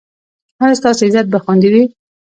ایا ستاسو عزت به خوندي وي؟